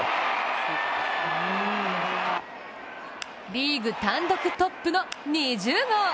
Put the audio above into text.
リーグ単独トップの２０号。